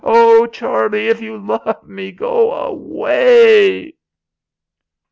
Oh Charlie! If you love me, go away!"